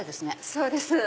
そうです。